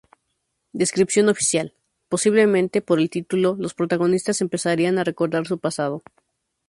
Descripción Oficial:Posiblemente por el título, los protagonistas empezarían a recordar su Pasado.